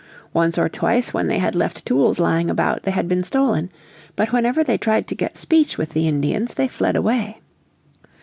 Once or twice when they had left tools lying about they had been stolen. But whenever they tried to get speech with the Indians they fled away.